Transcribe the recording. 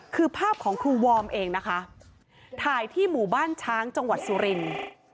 คือภาพของครูวอร์มเองนะคะถ่ายที่หมู่บ้านช้างจังหวัดสุรินทร์